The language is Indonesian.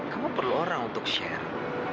kamu perlu orang untuk share